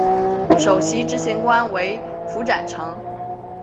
首席执行官为符展成。